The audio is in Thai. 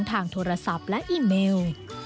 ทางโทรศัพท์และอีเมล